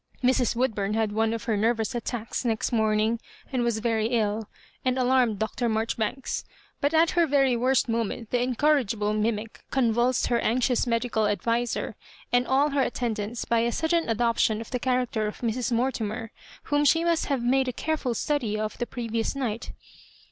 Mrs. Woodbura had one of her ner vous attacks next morning, and was very ill, and alarmed Dr. Maijoribanks ; but at her very worst moment the incorrigible mimic convulsed her anxious medical adviser and all her attendants by a sudden adoption of the character of Mrs. Mortimer, whom she must have made a careftil study of the previous night.